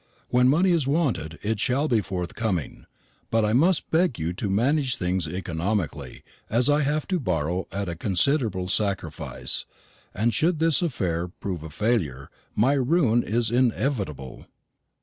When money is wanted, it shall be forthcoming; but I must beg you to manage things economically, as I have to borrow at a considerable sacrifice; and should this affair prove a failure, my ruin is inevitable.